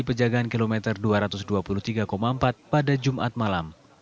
pejagaan kilometer dua ratus dua puluh tiga empat pada jumat malam